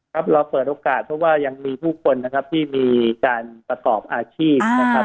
ครับเราเปิดโอกาสเพราะว่ายังมีผู้คนนะครับที่มีการประกอบอาชีพนะครับ